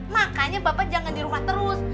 makanya bapak jangan di rumah terus